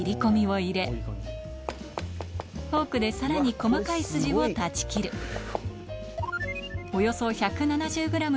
フォークでさらに細かいスジを断ち切る衣つけます。